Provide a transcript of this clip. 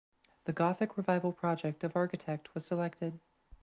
The Gothic Revival project of architect was selected.